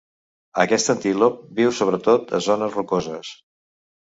Aquest antílop viu sobretot a zones rocoses.